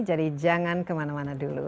jadi jangan kemana mana dulu